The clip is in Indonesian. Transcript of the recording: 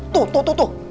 tuh tuh tuh tuh